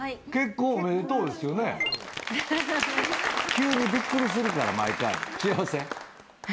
急にびっくりするから毎回。